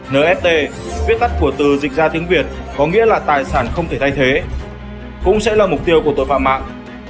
nft viết tắt của từ dịch ra tiếng việt có nghĩa là tài sản không thể thay thế cũng sẽ là mục tiêu của tội phạm mạng